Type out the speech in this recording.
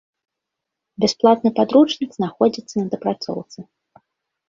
Бясплатны падручнік знаходзіцца на дапрацоўцы.